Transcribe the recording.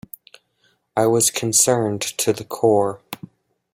I was concerned to the core.